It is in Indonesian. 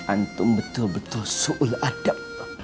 antung betul betul soal adab